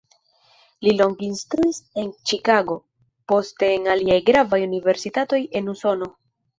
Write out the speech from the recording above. Li longe instruis en Ĉikago, poste en aliaj gravaj universitatoj en Usono.